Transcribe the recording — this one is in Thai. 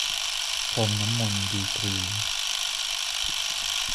พรมน้ำมนต์ ดีกรี